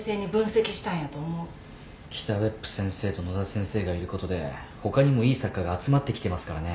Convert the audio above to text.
北別府先生と野田先生がいることで他にもいい作家が集まってきてますからね。